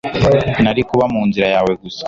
Nari kuba mu nzira yawe gusa